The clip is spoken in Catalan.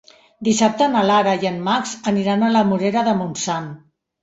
Dissabte na Lara i en Max aniran a la Morera de Montsant.